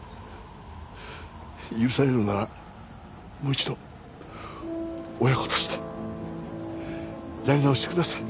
許されるのならもう一度親子としてやり直してください！